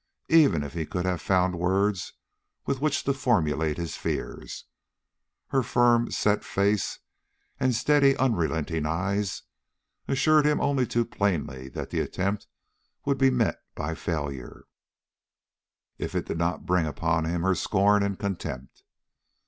Even if he could have found words with which to formulate his fears, her firm, set face, and steady, unrelenting eye, assured him only too plainly that the attempt would be met by failure, if it did not bring upon him her scorn and contempt.